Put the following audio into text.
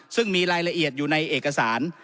ซึ่งมีรายละเอียดอยู่ในเอกสาร